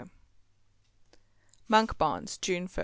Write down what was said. Monkbarns, June 1.